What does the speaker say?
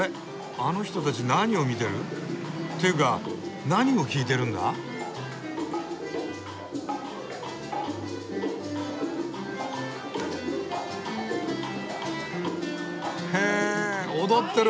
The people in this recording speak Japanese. あの人たち何を見てる？っていうか何を聞いてるんだ？へ踊ってる！